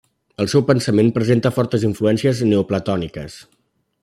El seu pensament presenta fortes influències neoplatòniques.